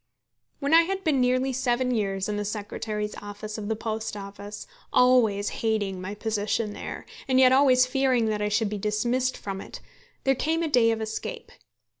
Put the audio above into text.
When I had been nearly seven years in the Secretary's office of the Post Office, always hating my position there, and yet always fearing that I should be dismissed from it, there came a way of escape.